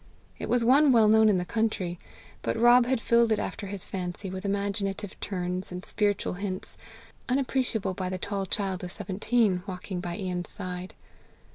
It was one well known in the country, but Rob had filled it after his fancy with imaginative turns and spiritual hints, unappreciable by the tall child of seventeen walking by Ian's side.